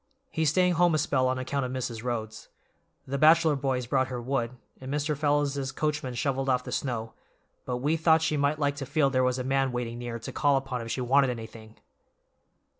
He's staying home a spell on account of Mrs. Rhodes. The Batchellor boys brought her wood, and Mr. Fellows's coachman shoveled off the snow, but we thought she might like to feel there was a man waiting near to call upon if she wanted anything."